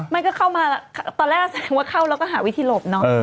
มันก็เข้ามาตอนแรกแสดงว่าเข้าแล้วก็หาวิธีหลบเนอะ